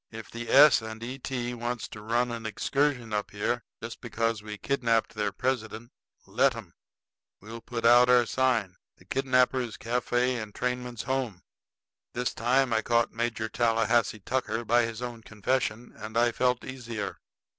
"If the S. & E. T. wants to run an excursion up here just because we kidnapped their president, let 'em. We'll put out our sign. 'The Kidnapper's Cafe and Trainmen's Home.'" This time I caught Major Tallahassee Tucker by his own confession, and I felt easier.